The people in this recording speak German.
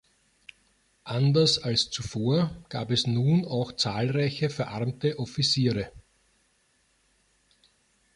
Anders als zuvor gab es nun auch zahlreiche verarmte Offiziere.